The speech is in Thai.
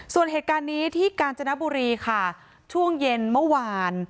ส่วนเหตุการณ์นี้ที่กาญจนบุรีค่ะช่วงเย็นเมื่อวาน